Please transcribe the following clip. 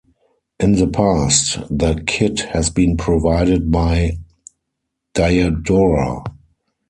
In the past, the kit has been provided by Diadora.